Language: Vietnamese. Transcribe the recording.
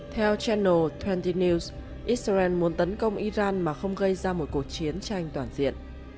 theo channel hai mươi news israel muốn tấn công iran mà không gây ra một cuộc chiến tranh toàn diện